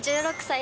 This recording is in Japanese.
１６歳！？